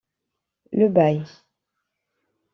Le Bail.